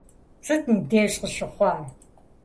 Сыт мыбдеж къыщыхъуар?